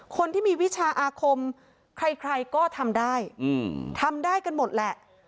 คนที่มีวิชาอาคมใครก็ทำได้ทำได้กันหมดแหละ